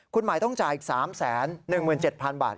คุณหมายต้องจ่ายอีก๓๑๗๐๐๐บาท